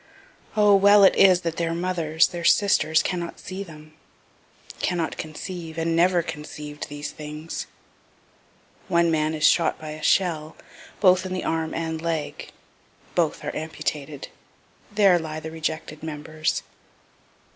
O well is it their mothers, their sisters cannot see them cannot conceive, and never conceiv'd, these things. One man is shot by a shell, both in the arm and leg both are amputated there lie the rejected members.